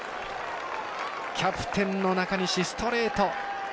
キャプテンの中西ストレート。